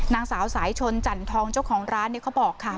นางสาวสายชนจันทองเจ้าของร้านเขาบอกค่ะ